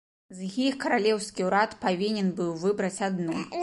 З іх каралеўскі ўрад павінен быў выбраць адну.